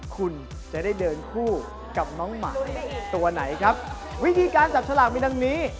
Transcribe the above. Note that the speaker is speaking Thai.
คุณจะได้เดินคู่กับน้องหมาตัวไหนครับวิธีการจับฉลากมีดังนี้